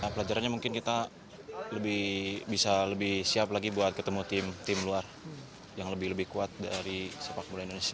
pelajarannya mungkin kita bisa lebih siap lagi buat ketemu tim tim luar yang lebih lebih kuat dari sepak bola indonesia